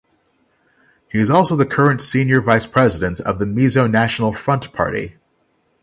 He is also the current Senior Vice President of the Mizo National Front party.